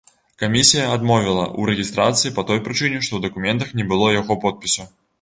Камісія адмовіла ў рэгістрацыі па той прычыне, што ў дакументах не было яго подпісу.